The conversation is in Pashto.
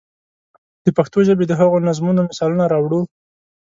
د پښتو ژبې د هغو نظمونو مثالونه راوړو.